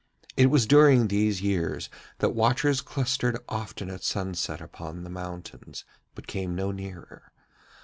It was during these years that watchers clustered often at sunset upon the mountains but came no nearer.